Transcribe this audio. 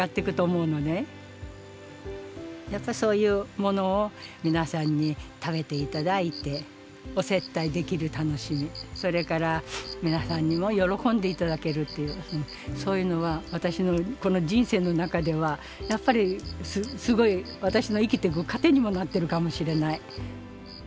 やっぱりそういうものを皆さんに食べて頂いてお接待できる楽しみそれから皆さんにも喜んでいただけるっていうそういうのは私のこの人生の中ではやっぱりすごい私の生きてく糧にもなってるかもしれない。